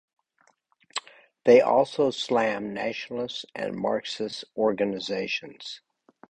They also slammed nationalist and Marxist organizations.